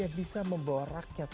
yang bisa membawa rakyat